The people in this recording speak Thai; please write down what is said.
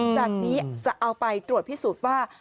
จากนี้จะเอาไปตรวจพิสูจน์ว่า